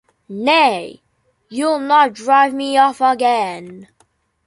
Nay, you’ll not drive me off again.